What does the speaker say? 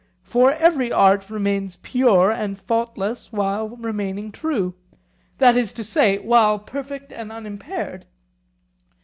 For every art remains pure and faultless while remaining true—that is to say, while perfect and unimpaired.